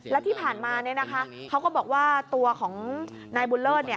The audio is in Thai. แล้วที่ผ่านมาเนี่ยนะคะเขาก็บอกว่าตัวของนายบุญเลิศเนี่ย